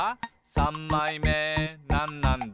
さんまいめなんなんだ？」